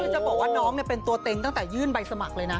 คือจะบอกว่าน้องเป็นตัวเต็งตั้งแต่ยื่นใบสมัครเลยนะ